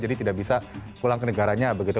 jadi tidak bisa pulang ke negaranya begitu